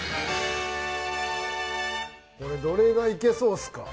どれがいけそうっすか？